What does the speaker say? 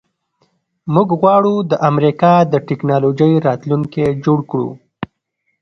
موږ غواړو د امریکا د ټیکنالوژۍ راتلونکی جوړ کړو